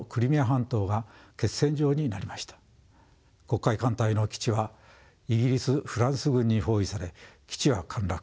黒海艦隊の基地はイギリスフランス軍に包囲され基地は陥落。